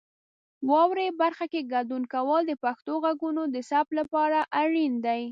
واورئ برخه کې ګډون کول د پښتو غږونو د ثبت لپاره اړین دي.